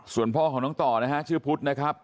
ส่วนพ่อของน้องต่อนะฮะชื่อพุทธนะครับ